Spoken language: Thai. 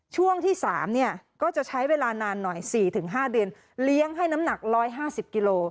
ช่วงที่๓เนี่ยก็จะใช้เวลานานหน่อย๔๕เดือนเลี้ยงให้น้ำหนัก๑๕๐กิโล